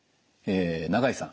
永井さん